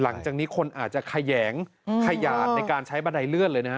หลังจากนี้คนอาจจะแขยงขยาดในการใช้บันไดเลื่อนเลยนะฮะ